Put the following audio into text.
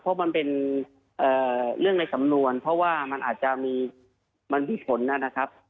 เพราะมันเป็นเรื่องในสำนวนเพราะว่ามันอาจจะมีมันมีผลนะครับ